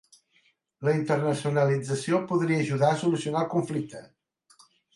La internacionalització podria ajudar a solucionar el conflicte